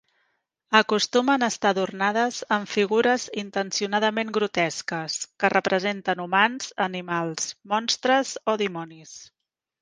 Acostumen a estar adornades amb figures intencionadament grotesques que representen humans, animals, monstres o dimonis.